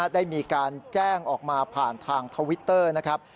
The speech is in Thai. ได้มีการแจ้งออกมาผ่านทางทวิตเตอร์นะครับ